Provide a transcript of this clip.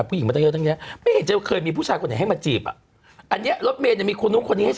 คุณก็ชัดเจน